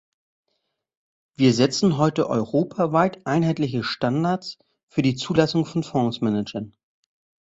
Wir setzen heute europaweit einheitliche Standards für die Zulassung von Fondsmanagern.